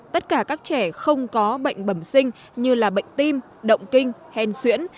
tất cả các trẻ không có bệnh bẩm sinh như là bệnh tim động kinh hèn xuyễn